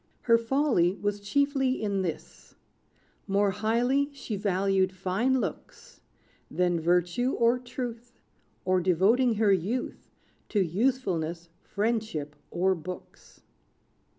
Her folly was chiefly in this: More highly she valued fine looks, Than virtue or truth, Or devoting her youth To usefulness, friendship, or books.